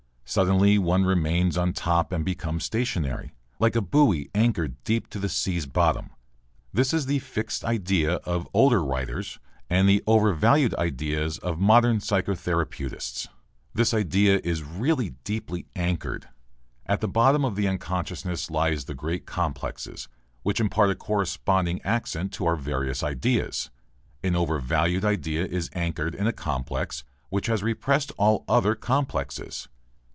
Suddenly one remains on top and becomes stationary, like a buoy anchored deep to the sea's bottom. This is the "fixed idea" of older writers and the "overvalued ideas" of modern psychotherapeutists. This idea is really deeply anchored. At the bottom of the unconscious lie the great "complexes" which impart a corresponding accent to our various ideas. An overvalued idea is anchored in a "complex" which has repressed all other "complexes."